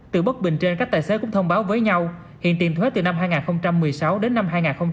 từ bất bình trên các tài xế cũng thông báo với nhau hiện tiền thuế từ năm hai nghìn một mươi sáu đến năm hai nghìn hai mươi